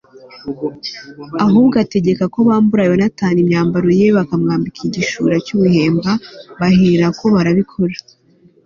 ahubwo ategeka ko bambura yonatani imyambaro ye bakamwambika igishura cy'umuhemba; bahera ko barabikora